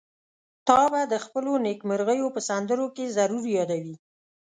تا به د خپلو نېکمرغيو په سندرو کې ضرور يادوي.